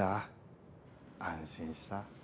安心した。